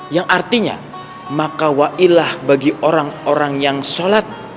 yang artinya maka wailah bagi orang orang yang sholat